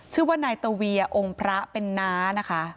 ชื่อว่านายตะเวียองค์พระเป็นน้านะคะ